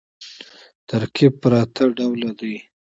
ترکیب پر اته ډوله دئ.